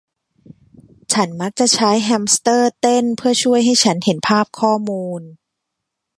ฉันมักจะใช้แฮมสเตอร์เต้นเพื่อช่วยให้ฉันเห็นภาพข้อมูล